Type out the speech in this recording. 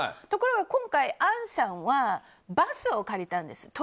ところが、今回、アンさんはバスを借りたんです。